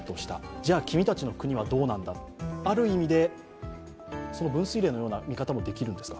じゃ、君たちの国はどうなんだ、ある意味で分水れいのような見方もできるんですか？